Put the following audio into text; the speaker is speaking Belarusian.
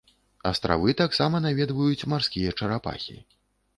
Астравы таксама наведваюць марскія чарапахі.